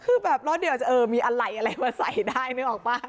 คือแบบรสเดียวจะเออมีอะไรอะไรมาใส่ได้นึกออกป่ะ